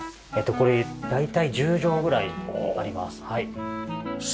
これ大体１０畳ぐらいあります。